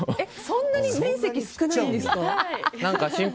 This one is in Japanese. そんなに面積少ないんですか？